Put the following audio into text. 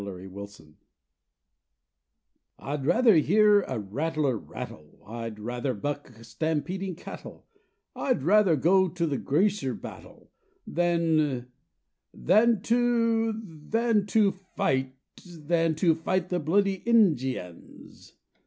A FRAGMENT I'd rather hear a rattler rattle, I'd rather buck stampeding cattle, I'd rather go to a greaser battle, Than Than to Than to fight Than to fight the bloody In ji ans.